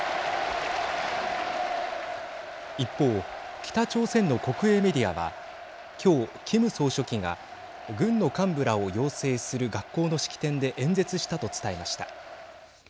一方、北朝鮮の国営メディアは今日キム総書記が軍の幹部らを養成する学校の式典で演説したと伝えました。